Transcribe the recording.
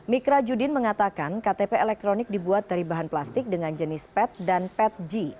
mikra judin mengatakan ktp elektronik dibuat dari bahan plastik dengan jenis pet dan petg